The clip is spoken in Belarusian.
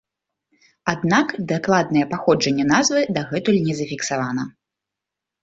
Аднак дакладнае паходжанне назвы дагэтуль не зафіксавана.